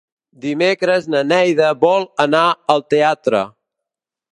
Dimecres na Neida vol anar al teatre.